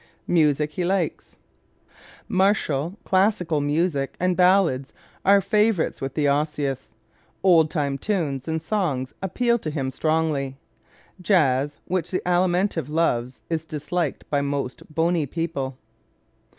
Music He Likes ¶ Martial, classical music and ballads are favorites with the Osseous. Old time tunes and songs appeal to him strongly. Jazz, which the Alimentive loves, is disliked by most bony people.